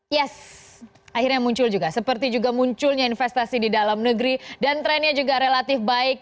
yes akhirnya muncul juga seperti juga munculnya investasi di dalam negeri dan trennya juga relatif baik